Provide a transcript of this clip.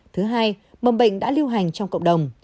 thứ hai mầm bệnh đã lưu hành trong cộng đồng